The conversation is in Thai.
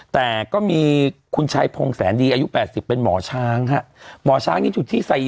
แต่ก็มีคุณชายพงศ์แสนดีอายุ๘๐เป็นหมอช้างฮะหมอช้างนี้จุดที่ใส่